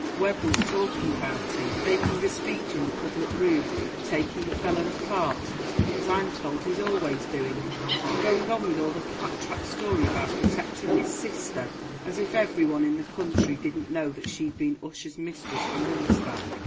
Webb was talking about him, making a speech in the public room, taking the fellow's part, as I'm told he's always doing, and going on with all the clap trap story about protecting his sister; as if every one in the country didn't know that she'd been Ussher's mistress for months back.